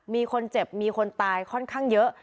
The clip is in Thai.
มีคนเจ็บมีคนตายค่อนข้างเยอะ